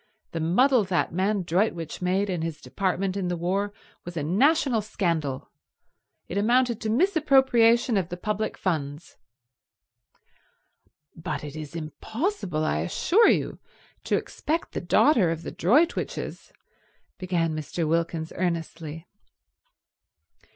The muddle that man Droitwich made in his department in the war was a national scandal. It amounted to misappropriation of the public funds." "But it is impossible, I assure you, to expect the daughter of the Droitwiches—" began Mr. Wilkins earnestly.